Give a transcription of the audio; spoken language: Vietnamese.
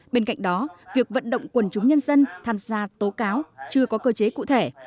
bên cạnh đó việc vận động quần chúng nhân dân tham gia tố cáo chưa có cơ chế cụ thể